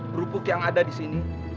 kerupuk yang ada di sini